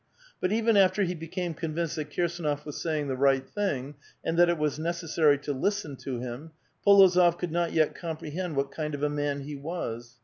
But even after he became convinced that Kirsdnof was sa3'ing the right thing, and that it was necessary to listen to him, Polozof could not yet com prehend what kind of a man he was.